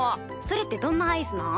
それってどんなアイスなん？